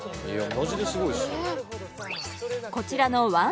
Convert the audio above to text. マジですごいっすよ